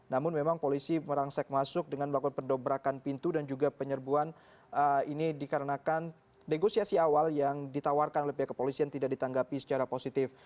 namun memang polisi merangsek masuk dengan melakukan pendobrakan pintu dan juga penyerbuan ini dikarenakan negosiasi awal yang ditawarkan oleh pihak kepolisian tidak ditanggapi secara positif